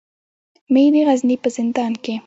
مې د غزني په زندان کې.